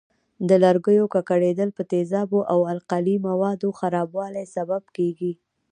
د لرګیو ککړېدل په تیزابونو او القلي موادو خرابوالي سبب کېږي.